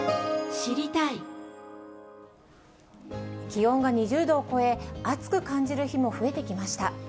気温が２０度を超え、暑く感じる日も増えてきました。